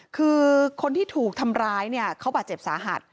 คือคนที่ถูกทำร้ายเนี่ยเขาบาดเจ็บสาหัส